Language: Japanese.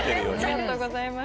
ありがとうございます。